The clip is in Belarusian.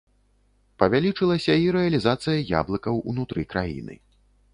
Павялічылася і рэалізацыя яблыкаў ўнутры краіны.